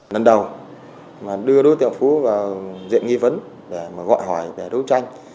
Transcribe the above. lần đầu đưa đối tượng phú vào diện nghi vấn để mà gọi hỏi về đấu tranh